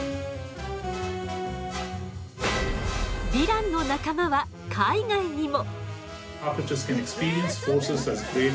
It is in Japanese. ヴィランの仲間は海外にも！